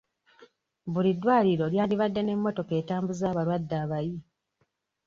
Buli ddwaliro lyandibadde n'emmotoka etambuza abalwadde abayi.